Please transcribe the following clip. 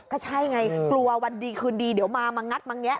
ก็ใช่ไงกลัววันดีคืนดีเดี๋ยวมามางัดมาแงะ